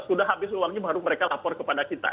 sudah habis uangnya baru mereka lapor kepada kita